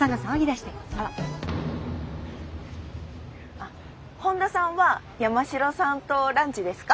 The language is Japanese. あっ本田さんは山城さんとランチですか？